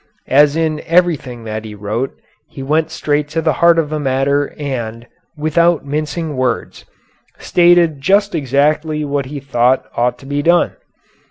As in everything that he wrote, he went straight to the heart of the matter and, without mincing words, stated just exactly what he thought ought to be done.